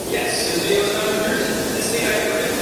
তাঁর খবরাখবর ও তাঁর জীবন-চরিতের কিছু জানে না?